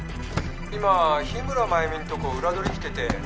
今日村繭美んとこ裏取り来てて。